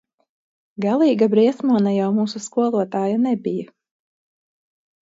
Galīga briesmone jau mūsu skolotāja nebija.